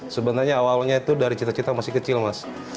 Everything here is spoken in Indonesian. sebenarnya awalnya itu dari cita cita masih kecil mas